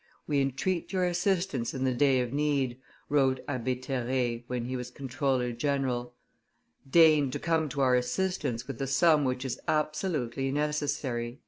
"We entreat your assistance in the day of need," wrote Abbe Terray when he was comptroller general; "deign to come to our assistance with a sum which is absolutely necessary."